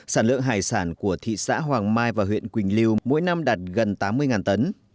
sản lượng hải sản của thị xã hoàng mai và huyện quỳnh lưu mỗi năm đạt gần tám mươi tấn